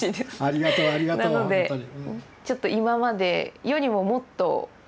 ありがとうありがとう本当に。